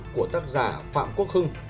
của tác giả phạm quốc hưng